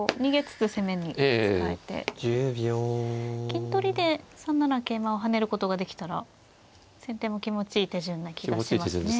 金取りで３七桂馬を跳ねることができたら先手も気持ちいい手順な気がしますね。